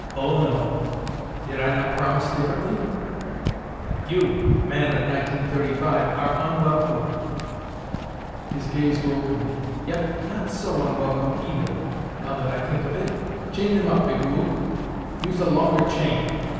Oh, no: did I not promise differently? You, man of 1935, are unwelcome." His gaze roved me. "Yet not so unwelcome, either, now that I think of it. Chain them up, Migul; use a longer chain.